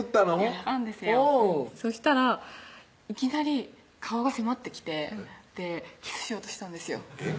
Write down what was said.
言ったんですよそしたらいきなり顔が迫ってきてキスしようとしたんですよえっ？